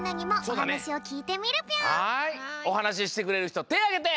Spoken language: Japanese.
おはなししてくれるひとてあげて！